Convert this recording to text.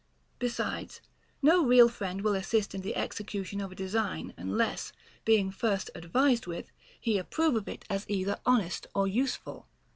Besides, no real friend will assist in the execution of a design, unless, being first advised with, he approve of it as either honest or useful.